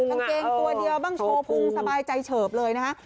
มันเกงตัวเดียวบ้างเช้าผูยสบายใจเฉิบเลยนะ